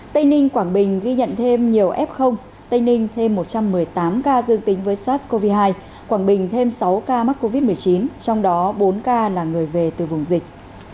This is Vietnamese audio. tây ninh quảng bình ghi nhận thêm nhiều f tây ninh thêm một trăm một mươi tám ca dương tính với sars cov hai quảng bình thêm sáu ca mắc covid một mươi chín trong đó bốn ca là người về từ vùng dịch